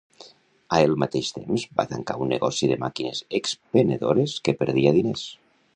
A el mateix temps, va tancar un negoci de màquines expenedores que perdia diners.